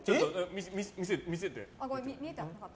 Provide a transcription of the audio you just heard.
見せて。